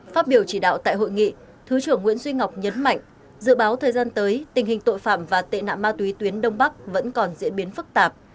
phát biểu chỉ đạo tại hội nghị thứ trưởng nguyễn duy ngọc nhấn mạnh dự báo thời gian tới tình hình tội phạm và tệ nạn ma túy tuyến đông bắc vẫn còn diễn biến phức tạp